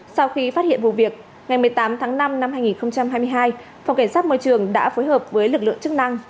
sau khi phát hiện vụ việc ngày một mươi tám tháng năm năm hai nghìn hai mươi hai phòng cảnh sát môi trường đã phối hợp với lực lượng chức năng